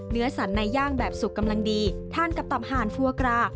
เนื้อสันในย่างแบบสุกกำลังดีทานกับตำห่านฟัวกรา